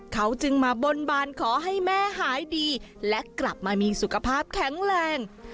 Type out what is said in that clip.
เขาจึงมาบนบานขอให้แม่หายดีและกลับมามีสุขภาพแข็งแรง